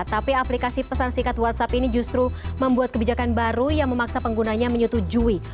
tapi aplikasi pesan singkat whatsapp ini justru membuat kebijakan baru yang memaksa penggunanya menyetujui